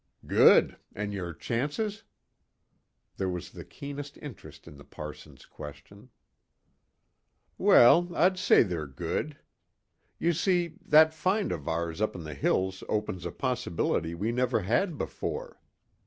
"Good. And your chances?" There was the keenest interest in the parson's question. "Well, I'd say they're good. You see, that find of ours up in the hills opens a possibility we never had before.